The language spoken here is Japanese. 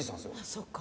そっか。